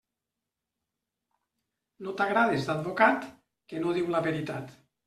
No t'agrades d'advocat, que no diu la veritat.